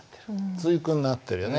対句になってるよね。